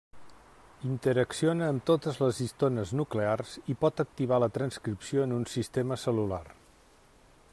Interacciona amb totes les histones nuclears i pot activar la transcripció en un sistema cel·lular.